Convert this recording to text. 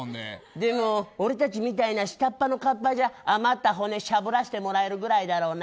でも、俺たちみたいな下っ端の河童じゃ余った骨しゃぶらせてもらえるぐらいだろうな。